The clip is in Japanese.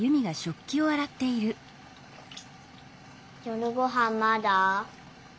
夜ごはんまだ？